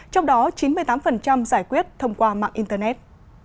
trong đó chín mươi tám giải quyết thông qua mạng internet